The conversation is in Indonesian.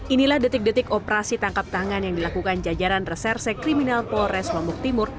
inilah detik detik operasi tangkap tangan yang dilakukan jajaran reserse kriminal polres lombok timur